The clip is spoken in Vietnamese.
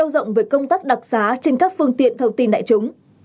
với công tác đặc giá trên các phương tiện thông tin đại chúng